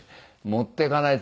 「持っていかない？」